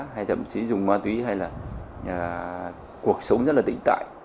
hay thậm chí dùng ma túy hay là cuộc sống rất là tĩnh tại